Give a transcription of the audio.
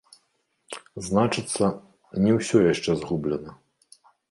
Значыцца, не ўсё яшчэ згублена!